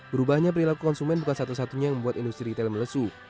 berubahnya perilaku konsumen bukan satu satunya yang membuat industri retail melesu